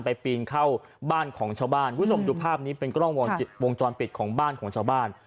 ปีนเข้าบ้านของชาวบ้านคุณผู้ชมดูภาพนี้เป็นกล้องวงจรปิดของบ้านของชาวบ้าน